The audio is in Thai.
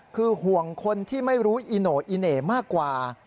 คือห่วงคนที่ไม่รู้อีโน่อีเหน่มากกว่า